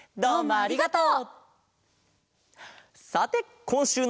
ありがとう。